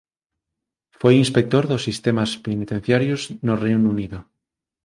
Foi inspector de sistemas penitenciarios no Reino Unido